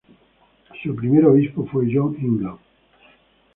Su primer obispo fue John England.